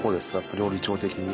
料理長的に。